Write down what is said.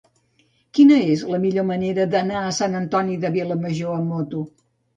Quina és la millor manera d'anar a Sant Antoni de Vilamajor amb moto?